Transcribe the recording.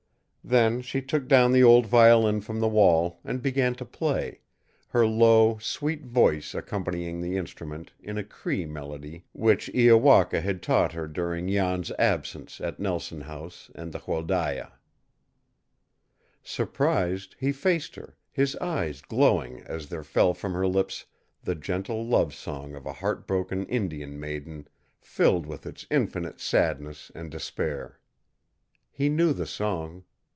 Then she took down the old violin from the wall and began to play, her low, sweet voice accompanying the instrument in a Cree melody which Iowaka had taught her during Jan's absence at Nelson House and the Wholdaia. Surprised, he faced her, his eyes glowing as there fell from her lips the gentle love song of a heart broken Indian maiden, filled with its infinite sadness and despair. He knew the song.